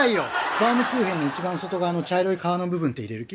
バウムクーヘンのいちばん外側の茶色い皮の部分って入れる気？